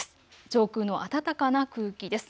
上空の暖かな空気です。